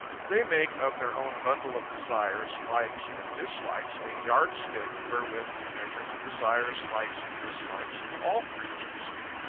They make of their own bundle of desires, likes, and dislikes a yardstick wherewith to measure the desires, likes, and dislikes of all creatures.